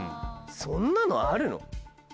そんなのあるの？